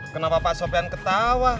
kenapa pak sopean ketawa